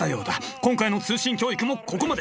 今回の通信教育もここまで。